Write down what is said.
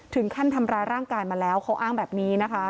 ถึงขั้นทำร้ายร่างกายมาแล้วเขาอ้างแบบนี้นะคะ